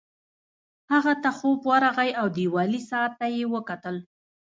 هغه ته خوب ورغی او دیوالي ساعت ته یې وکتل